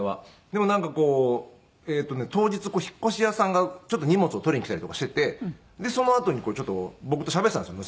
でもなんかこう当日引っ越し屋さんがちょっと荷物を取りに来たりとかしててそのあとに僕としゃべってたんですよ